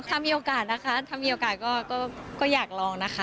ถ้ามีโอกาสนะคะถ้ามีโอกาสก็อยากลองนะคะ